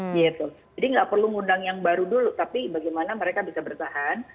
jadi nggak perlu ngundang yang baru dulu tapi bagaimana mereka bisa bertahan